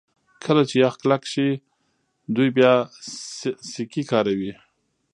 کله چې یخ کلک شي دوی بیا سکي کاروي